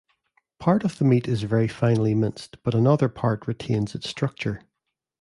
Part of the meat is very finely minced, but another part retains its structure.